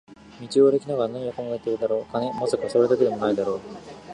道を歩きながら何を考えているのだろう、金？まさか、それだけでも無いだろう